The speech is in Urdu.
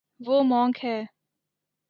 وہ مونک ہے